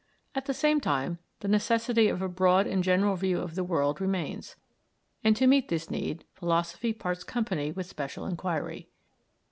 At the same time, the necessity of a broad and general view of the world remains; and to meet this need philosophy parts company with special inquiry.